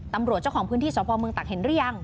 ตำรวจเจ้าของพื้นที่สวพเมืองตักเห็นรึยัง